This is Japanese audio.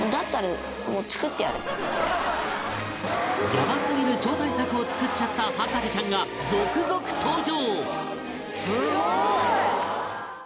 やばすぎる超大作を作っちゃった博士ちゃんが続々登場！